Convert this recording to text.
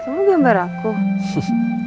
kamu gambar aku